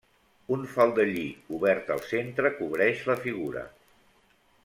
Un faldellí obert al centre cobreix la figura.